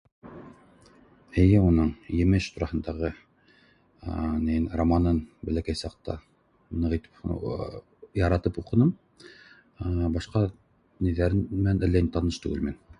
Эйе уның Емеш тураһындағы ээ нейен, романын, бәләкәй саҡта ныҡ итеп яратып уҡыным, башҡа нейҙәре менән әллә ни таныш түгелмен